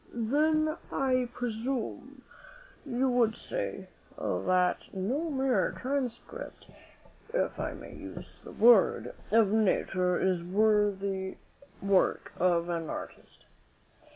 "Then I presume you would say that no mere transcript, if I may use the word, of nature is the worthy work of an artist."